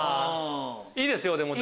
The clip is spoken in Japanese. いいですよでも。